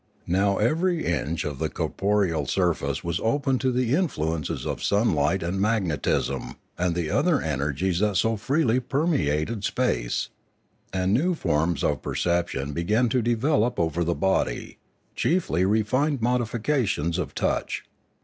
Now every inch of the corporeal sur face was open to the influences of sunlight and mag netism and the other energies that so freely permeated space, and new forms of perception began to develop over the body, chiefly refined modifications of touch.